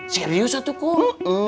serius aduh kum